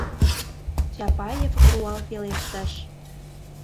— Чапаев руал пелештыш.